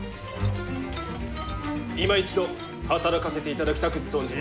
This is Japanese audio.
いま一度働かせていただきたく存じまする！